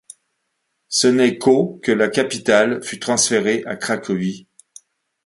Ce n’est qu’au que la capitale fut transférée à Cracovie.